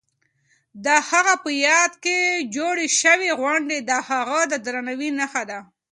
د هغه په یاد کې جوړې شوې غونډې د هغه د درناوي نښه ده.